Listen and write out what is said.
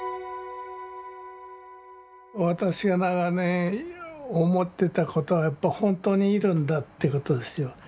私が長年思ってたことはやっぱ本当にいるんだってことですよ。